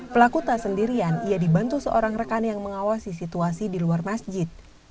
pelaku tak sendirian ia dibantu seorang rekan yang mengawasi situasi di luar masjid